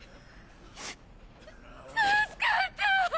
助かった！